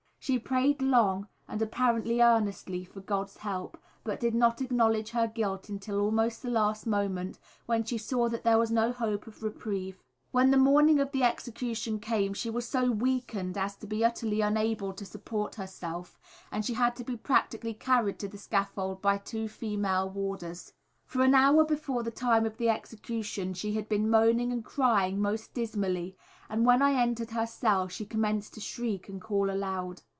She prayed long and apparently earnestly for God's help, but did not acknowledge her guilt until almost the last moment, when she saw that there was no hope of reprieve. When the morning of the execution came, she was so weakened as to be utterly unable to support herself, and she had to be practically carried to the scaffold by two female warders. For an hour before the time of the execution she had been moaning and crying most dismally, and when I entered her cell she commenced to shriek and call aloud.